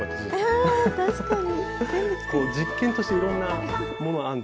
ああ確かに！